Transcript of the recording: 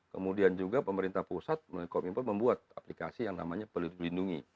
kemudian juga pemerintah pusat melalui kominfo membuat aplikasi yang namanya peduli lindungi